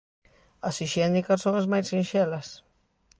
As hixiénicas son as máis sinxelas.